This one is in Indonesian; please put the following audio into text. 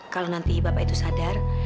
kalau nanti bapak itu sadar